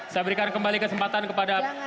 saya berikan kembali kesempatan kepada